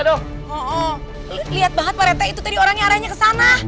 oh oh lihat banget pak rete itu tadi orangnya arahnya kesana